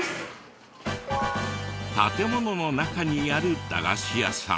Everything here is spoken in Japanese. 建物の中にある駄菓子屋さん。